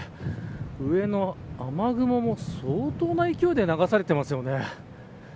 上の雨雲も相当な勢いで流されていますよね。